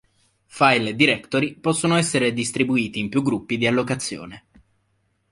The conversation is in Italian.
File e directory possono essere distribuiti in più gruppi di allocazione.